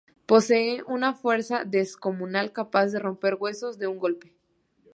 Posee una fuerza descomunal capaz de romper huesos de un golpe.